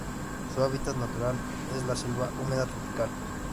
Su hábitat natural es la selva húmeda tropical.